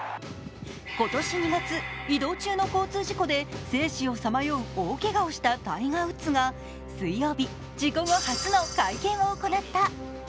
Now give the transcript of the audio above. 今年２月、移動中の交通事故で生死をさまよう大けがをしたタイガー・ウッズが水曜日事故後、初の会見を行った。